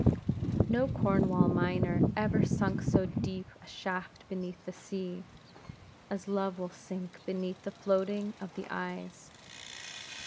No Cornwall miner ever sunk so deep a shaft beneath the sea, as Love will sink beneath the floatings of the eyes.